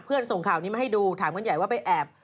ส่งข่าวนี้มาให้ดูถามกันใหญ่ว่าไปแอบ